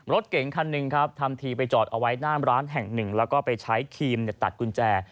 รถเก๋งคันหนึ่งครับทำทีไปจอดเอาไว้หน้าร้านแห่งหนึ่งแล้วก็ไปใช้ครีมตัดกุญแจ